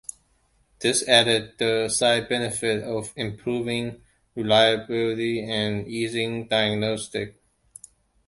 This added the side benefits of improving reliability and easing diagnostics.